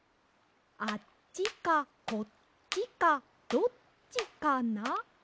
あっちかこっちかどっちかな？